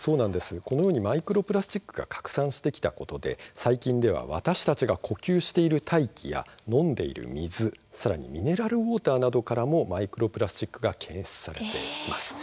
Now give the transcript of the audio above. このようにマイクロプラスチックが拡散してきたことで最近では私たちが呼吸している大気や飲んでいる水、さらにミネラルウォーターなどからもマイクロプラスチックが検出されています。